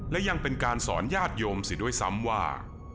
และยังเป็นการสอนญาติโยมสิด้วยซ้ำว่า